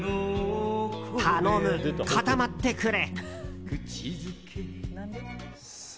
頼む、固まってくれ。